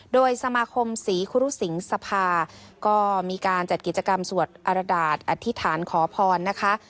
โดยสมาคมศรีครุสิงสภาก็มีการจัดกิจกรรมสวดอรดาษอธิษฐานขอพรนะคะ